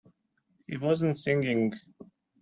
He wasn't singing.